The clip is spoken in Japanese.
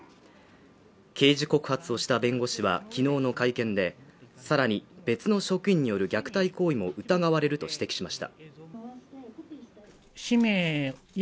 刑事告発した弁護士はきのうの会見でさらに別の職員による虐待行為も疑われると指摘しました